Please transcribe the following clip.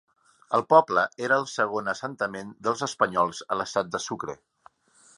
El poble era el segon assentament dels espanyols a l'estat de Sucre.